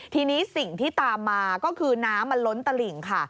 ทีนี้สิ่งที่ตามมาก็คือน้ำมันล้นตลิ่งค่ะ